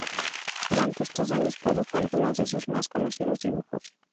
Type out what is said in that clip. Durante estos años produjo algunos de sus más conocidos dibujos.